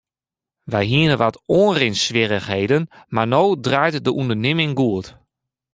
Wy hiene wat oanrinswierrichheden mar no draait de ûndernimming goed.